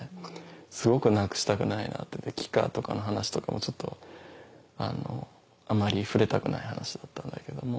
すごくなくしたくないなって帰化とかの話とかもあまり触れたくない話だったんだけども。